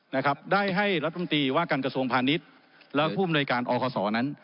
นะครับได้ให้รัฐมนตรีว่าการกระทรวงพาณิชย์และผู้อำนวยการอคศนั้น